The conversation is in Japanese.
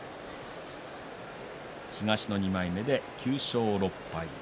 東の２枚目で９勝６敗